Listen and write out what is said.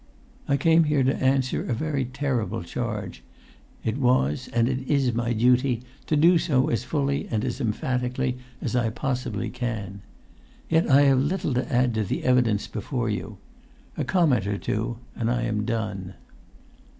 I came here to answer to a very terrible charge; it was and it is my duty to do so as fully and as emphatically as I possibly can. Yet I have little to add to the evidence before you; a comment or two, and I am done.